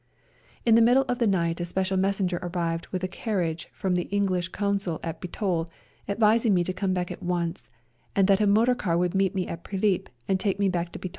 In the middle of the night a special messenger arrived with a carriage from the English Consul at Bitol, advising me to come back at once, and that a motor car would meet me in Prilip, and take me back to Bitol.